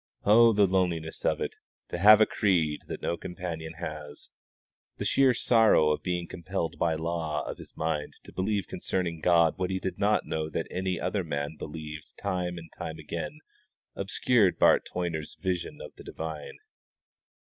Oh the loneliness of it, to have a creed that no companion has! The sheer sorrow of being compelled by the law of his mind to believe concerning God what he did not know that any other man believed time and time again obscured Bart Toyner's vision of the divine.